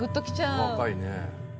お若いね。